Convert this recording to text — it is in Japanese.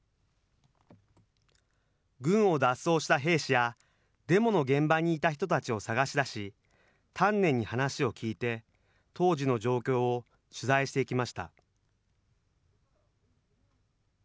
軍を脱走した兵士や、デモの現場にいた人たちを探し出し、丹念に話を聞いて、当時の状況を取材してきました。